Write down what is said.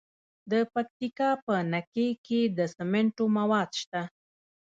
د پکتیکا په نکې کې د سمنټو مواد شته.